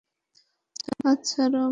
হাত ছাড়ো আমার।